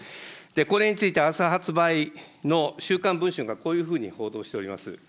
これについて、あす発売の週刊文春がこういうふうに報道しております。